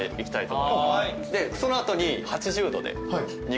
その後に。